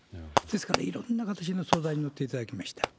ですから、いろんな形の相談に乗っていただきました。